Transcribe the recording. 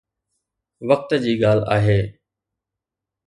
وقت جي ڳالهه آهي